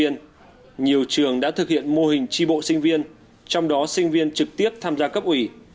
nhiều trường đã thực hiện mô hình tri bộ sinh viên trong đó sinh viên trực tiếp tham gia cấp ủy